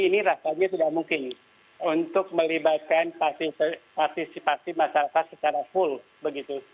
ini rasanya tidak mungkin untuk melibatkan partisipasi masyarakat secara full begitu